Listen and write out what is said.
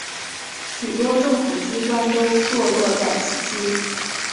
许多政府机关都座落在此区。